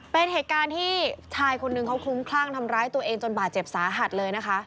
เป็นเหตุการณ์ที่ชายคนนึงเขาคลุ้มคลั่งทำร้ายตัวเองจนบาดเจ็บสาหัสเลยนะคะ